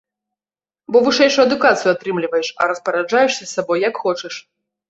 Бо вышэйшую адукацыю атрымліваеш, а распараджаешся сабой, як хочаш.